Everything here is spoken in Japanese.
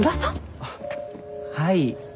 あっはい。